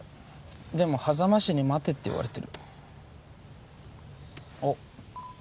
でも波佐間氏に待てって言われてるあっ！